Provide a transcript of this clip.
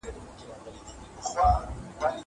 کتابونه وړه.